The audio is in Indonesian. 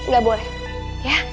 gak boleh ya